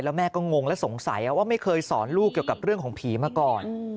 แล้วแม่ก็งงและสงสัยว่าไม่เคยสอนลูกเกี่ยวกับเรื่องของผีมาก่อน